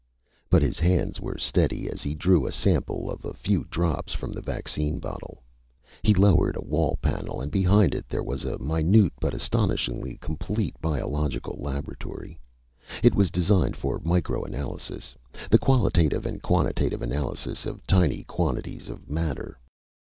But his hands were steady as he drew a sample of a few drops from the vaccine bottle. He lowered a wall panel and behind it there was a minute but astonishingly complete biological laboratory. It was designed for microanalysis the quantitative and qualitative analysis of tiny quantities of matter.